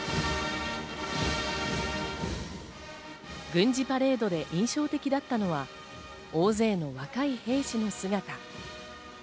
軍事パレードで印象的だったのは、大勢の若い兵士の姿。